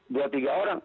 dua tiga orang